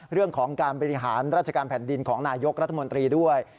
เรื่องของการบริหารราชการแผ่นดินของนายกรัฐมนตรีด้วย